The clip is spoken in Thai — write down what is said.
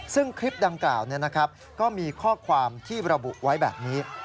ซึ่งคลิปดังกล่าวก็มีข้อความที่ระบุไว้แบบนี้